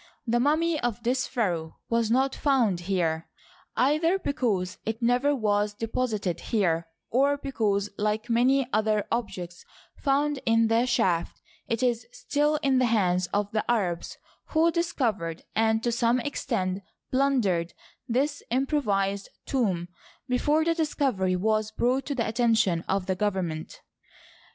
The mummy of this pharaoh was not found here, either because it never was deposited here, or because, like many other objects found in the shaft, it is still in the hands of the Arabs who discovered and to some extent plundered this improvised tomb before the discovery was brought to the attention of the government.